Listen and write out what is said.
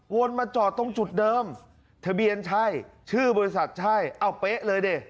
วนมาจอดตรงจุดเดิมทะเบียนใช่ชื่อบริษัทใช่เอาเป๊ะเลยดิ